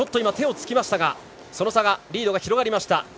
手をつきましたがそのリードが広がりました。